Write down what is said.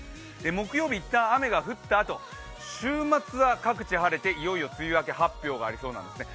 木曜日一旦雨が降ったあと、週末はいよいよ梅雨明け発表がありそうなんですよね。